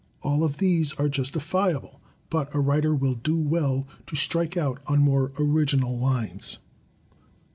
All of these are justifiable, but a writer will do well to strike out on more original lines.